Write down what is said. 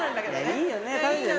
いいよね。